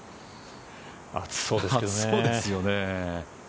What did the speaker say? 暑そうですけどね。